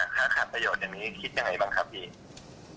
ค่ะค่ะประโยชน์อย่างนี้คิดอย่างไรบ้างครับพี่